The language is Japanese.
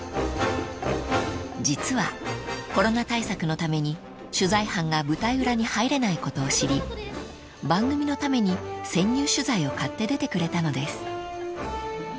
［実はコロナ対策のために取材班が舞台裏に入れないことを知り番組のために潜入取材を買って出てくれたのです］